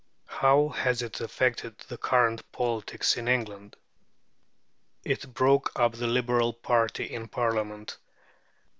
How has it affected the current politics of England? It broke up the Liberal party in Parliament.